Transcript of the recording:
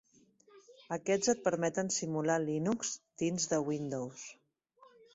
Aquests et permeten simular Linux dins de Windows.